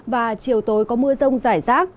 và chiều tối có mưa rông rải rác